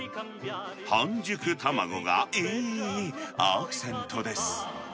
半熟卵がいいアクセントです。